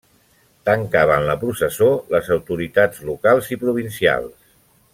Tancaven la processó les autoritats locals i provincials.